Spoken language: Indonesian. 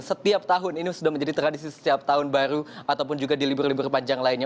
setiap tahun ini sudah menjadi tradisi setiap tahun baru ataupun juga di libur libur panjang lainnya